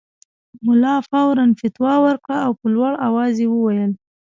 ملا فوراً فتوی ورکړه او په لوړ اواز یې وویل.